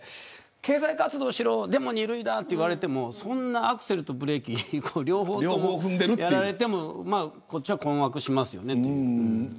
経済活動しろ、でも２類だと言われてもそんなアクセルとブレーキ両方やられてもこっちは困惑しますものね。